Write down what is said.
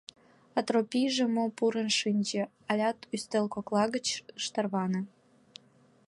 А Тропийже мо пурен шинче, алят ӱстел кокла гыч ыш тарване.